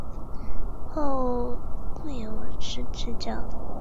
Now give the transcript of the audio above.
与顾炎武是至交。